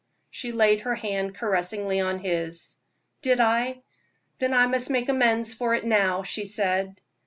She laid her hand caressingly on his. "Did I? Then I must make amends for it now," she said.